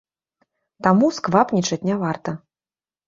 Таму сквапнічаць не варта.